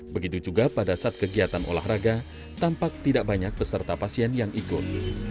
begitu juga pada saat kegiatan olahraga tampak tidak banyak peserta pasien yang ikut